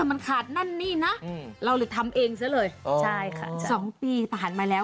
มันขาดนั่นนี่นะเราเลยทำเองซะเลยใช่ค่ะสองปีผ่านมาแล้ว